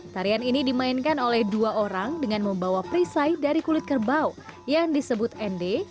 tarian ini dimainkan oleh dua orang dengan membawa perisai dari kulit kerbau yang disebut ende